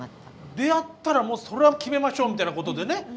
出会ったらもうそれは決めましょうみたいなことでね